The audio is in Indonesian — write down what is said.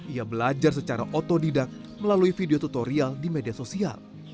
ia belajar secara otodidak melalui video tutorial di media sosial